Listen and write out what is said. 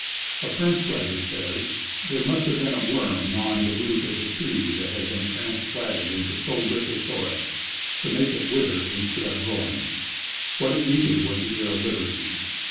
A French writer says: "There must have been a worm gnawing the root of the tree that had been transplanted into so rich a soil, to make it wither instead of growing. What it needed was the air of liberty."